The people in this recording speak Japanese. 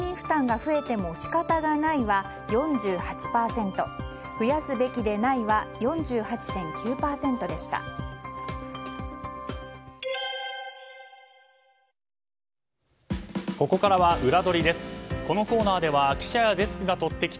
増やすべきではないは４８．９％でした。